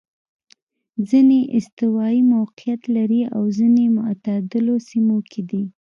ځیني یې استوايي موقعیت لري او ځیني معتدلو سیمو کې دي.